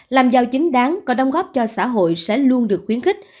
làm giàu chính đáng có đóng góp cho xã hội sẽ luôn được khuyến khích